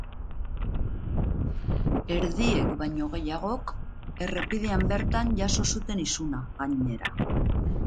Erdiek baino gehiagok errepidean bertan jaso zuten isuna, gainera.